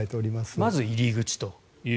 まず入り口と。